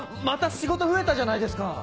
また仕事増えたじゃないですか！